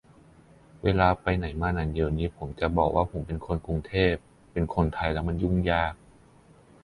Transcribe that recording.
เวลาไปไหนมาไหน เดี๋ยวนี้ผมจะบอกว่าผมเป็นคนกรุงเทพ เป็นคนไทยแล้วมันยุ่งยาก